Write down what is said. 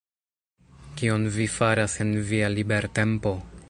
Kion vi faras en via libertempo?